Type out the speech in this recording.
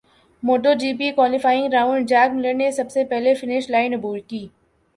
motto G P qualifying round Jack Miller نے سب سے پہلے فنش لائن عبور کی